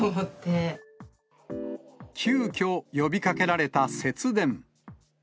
急きょ、呼びかけられた節電。